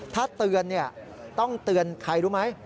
ถ้าเตือนต้องเตือนใครรู้ไหม